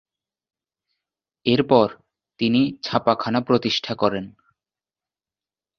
এরপর তিনি ছাপাখানা প্রতিষ্ঠা করেন।